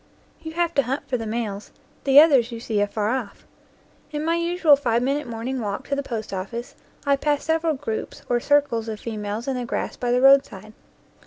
You have to hunt for the males; the others you see afar off. In my usual five minute morning walk to the post office I pass several groups or circles of females in the grass by the road side.